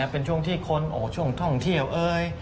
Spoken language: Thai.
เป็นช่วงที่คนช่วงท่องเที่ยวเอ่ย